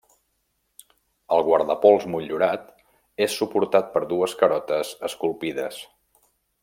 El guardapols motllurat és suportat per dues carotes esculpides.